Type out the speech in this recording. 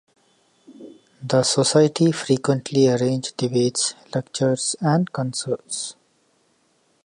The Society frequently arrange debates, lectures and concerts.